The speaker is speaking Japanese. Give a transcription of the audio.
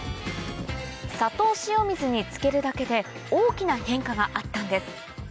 砂糖塩水に漬けるだけで大きな変化があったんです